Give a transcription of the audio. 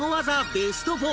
ベスト４